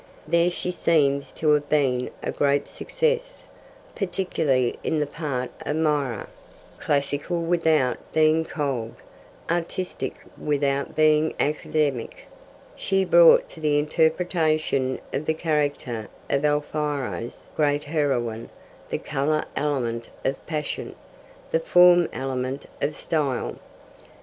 There she seems to have been a great success, particularly in the part of Myrrha; classical without being cold, artistic without being academic, she brought to the interpretation of the character of Alfieri's great heroine the colour element of passion, the form element of style.